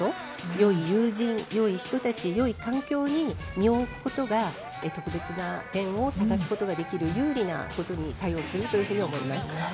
良い友人、良い人たち、良い環境に身を置くことが特別な面を探すことができる有利なことに作用すると思います。